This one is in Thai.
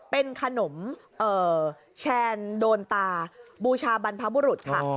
เป็นขนมแชนโดนตาบูชาบรรพบุรุษค่ะ